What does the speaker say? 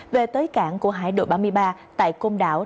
về tới cảng của hải đội ba mươi ba tại côn đảo